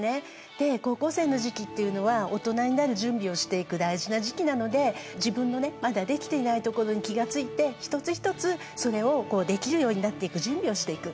で高校生の時期っていうのはオトナになる準備をしていく大事な時期なので自分のねまだできていないところに気が付いて一つ一つそれをできるようになっていく準備をしていく。